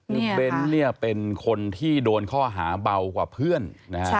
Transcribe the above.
นึกเป็นเป็นคนที่โดนข้อหาเบากว่าเพื่อนนะครับ